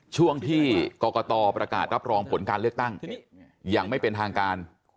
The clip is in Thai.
ช่วงที่กรกตประกาศรับรองผลการเลือกตั้งอย่างไม่เป็นทางการ